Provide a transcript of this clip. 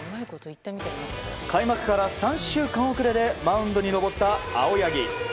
開幕から３週間遅れでマウンドに登った青柳。